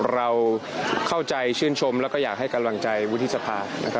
เราเข้าใจชื่นชมแล้วก็อยากให้กำลังใจวุฒิสภา